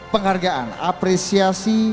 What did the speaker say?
keuntungan yang sangat luar biasa